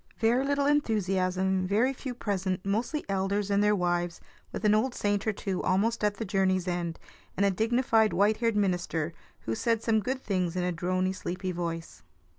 Very little enthusiasm, very few present, mostly elders and their wives, with an old saint or two almost at the journey's end, and a dignified white haired minister, who said some good things in a drony, sleepy tone.